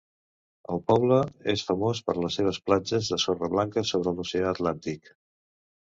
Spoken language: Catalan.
El poble és famós per les seves platges de sorra blanca sobre l'oceà Atlàntic.